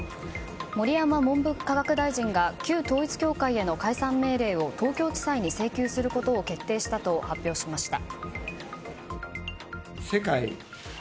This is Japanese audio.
盛山文部科学大臣が旧統一教会への解散命令を東京地裁に請求することを決定したと発表しました。